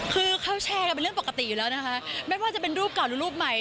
คือเขาแชร์กันเป็นเรื่องปกติอยู่แล้วนะคะไม่ว่าจะเป็นรูปเก่าหรือรูปใหม่